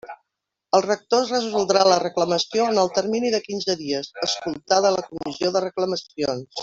El rector resoldrà la reclamació en el termini de quinze dies, escoltada la Comissió de Reclamacions.